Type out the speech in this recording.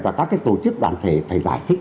và các tổ chức đoàn thể phải giải thích